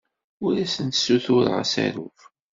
Ur asen-ssutureɣ asaruf.